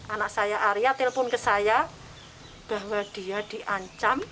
anak saya arya telpon ke saya bahwa dia diancam diintimidasi disuruh berjalan